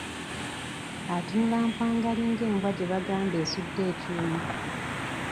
Atunula mpwangali nga embwa gye bagamba esudde ekyuma!